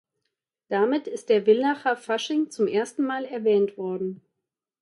Damit ist der Villacher Fasching zum ersten Mal erwähnt worden.